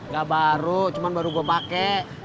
gak baru cuman baru gue pake